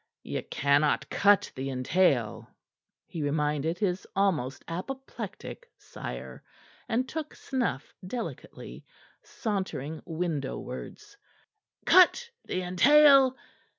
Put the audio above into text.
"Ye cannot cut the entail," he reminded his almost apoplectic sire, and took snuff delicately, sauntering windowwards. "Cut the entail?